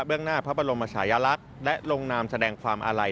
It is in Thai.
เรื่องหน้าพระบรมชายลักษณ์และลงนามแสดงความอาลัย